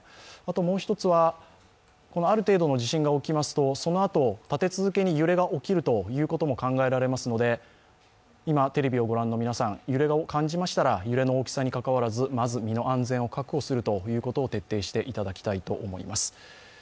もう１つは、ある程度の地震が起きますと、そのあと立て続けに揺れが起きるということも考えられますので今テレビを御覧の皆さん、揺れを感じましたら揺れの大きさにかかわらず、まず身の安全を確保することを徹底していただきたいと思います。